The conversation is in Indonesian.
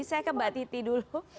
saya ke mbak titi dulu